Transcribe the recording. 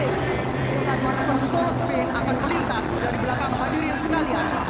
bukan manafor solo spin akan melintas dari belakang hadir yang sekalian